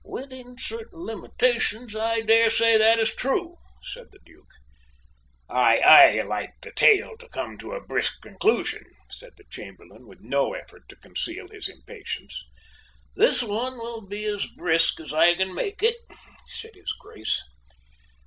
"Within certain limitations, I daresay that is true," said the Duke. "I aye liked a tale to come to a brisk conclusion," said the Chamberlain, with no effort to conceal his impatience. "This one will be as brisk as I can make it," said his Grace.